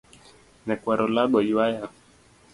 Nyakwar olago ywaya.